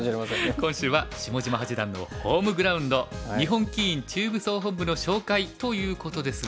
今週は下島八段のホームグラウンド日本棋院中部総本部の紹介ということですが。